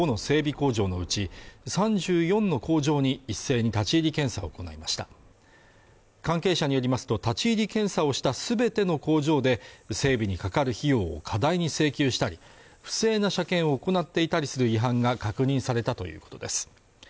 工場のうち３４の工場に一斉に立ち入り検査を行いました関係者によりますと立ち入り検査をしたすべての工場で整備にかかる費用を過大に請求したり不正な車検を行っていたりする違反が確認されたということです